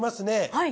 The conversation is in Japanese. はい。